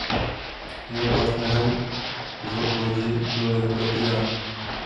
Jeho partnerem v lodi byl jeho bratr Jan.